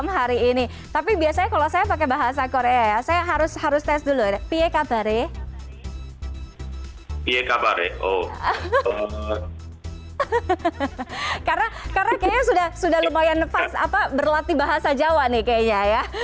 karena kayaknya sudah lumayan fast berlatih bahasa jawa nih kayaknya ya